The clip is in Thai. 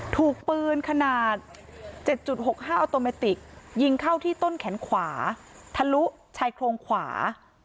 ถูกปืนขนาด๗๖๕ออโตเมติกยิงเข้าที่ต้นแขนขวาทะลุชายโครงขวา